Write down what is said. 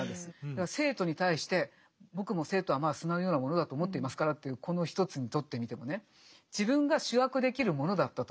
だから生徒に対して僕も生徒はまあ砂のようなものだと思っていますからというこの一つにとってみてもねすごいですね。